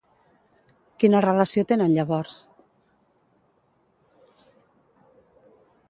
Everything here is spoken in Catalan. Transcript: Quina relació tenen llavors?